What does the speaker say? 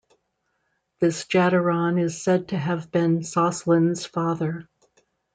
This Jadaron is said to have been Soslan's father.